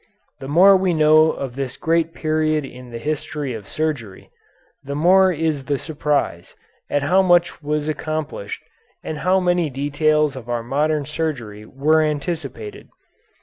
The more we know of this great period in the history of surgery, the more is the surprise at how much was accomplished, and how many details of our modern surgery were anticipated.